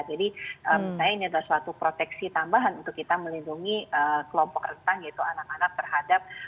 jadi saya ini adalah suatu proteksi tambahan untuk kita melindungi kelompok rentang yaitu anak anak terhadap